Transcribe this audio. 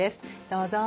どうぞ。